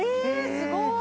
すごーい